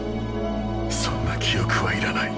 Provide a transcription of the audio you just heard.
そんな記憶はいらない。